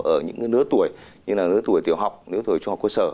ở những nữ tuổi như là nữ tuổi tiểu học nữ tuổi trung học quốc sở